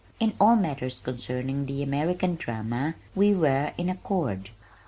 In all matters concerning the American Drama we were in accord.